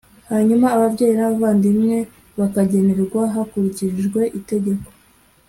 hanyuma ababyeyi n’abavandimwe bakagenerwa hakurikijwe itegeko.